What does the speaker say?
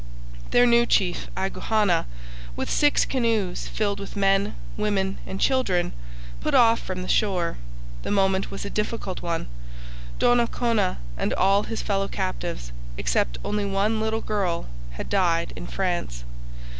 Their new chief, Agouhanna, with six canoes filled with men, women, and children, put off from the shore. The moment was a difficult one. Donnacona and all his fellow captives, except only one little girl, had died in France.